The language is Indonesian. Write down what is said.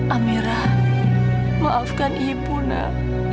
amirat maafkan ibu nak